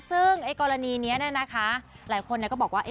ซึ่งกรณีนี้นะคะหลายคนก็บอกว่า